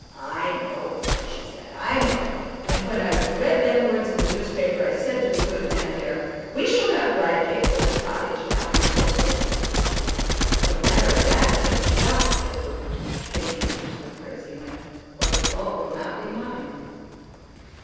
"I know," she said; "I know. And when I read them words in the newspaper I said to the gudeman there, we shall have bridecake from the cottage now before Christmas." "For the matter of that, so you shall," said Luke, shaking hands with her as he went, "or the fault will not be mine."